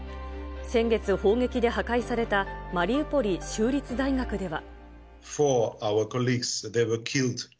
先月、砲撃で破壊されたマリウポリ州立大学では。